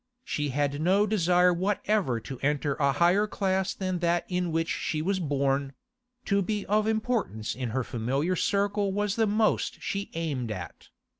She had no desire whatever to enter a higher class than that in which she was born; to be of importance in her familiar circle was the most she aimed at.